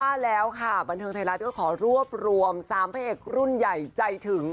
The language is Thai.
ว่าแล้วค่ะบันเทิงไทยรัฐก็ขอรวบรวม๓พระเอกรุ่นใหญ่ใจถึง